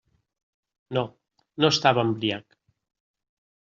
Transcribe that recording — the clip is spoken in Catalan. No, no estava embriac.